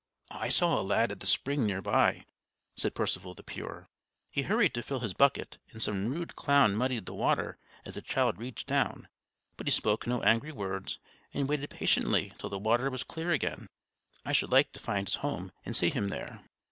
"I saw a lad at the spring near by," said Percival the Pure. "He hurried to fill his bucket, and some rude clown muddied the water as the child reached down; but he spoke no angry words, and waited patiently till the water was clear again. I should like to find his home and see him there."